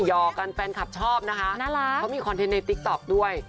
ย่อกันโชคแบบชอบนะคะเขามีคลิปขอร์นด๊อบด้วย